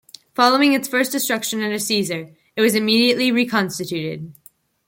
Following its first destruction under Caesar it was immediately reconstituted.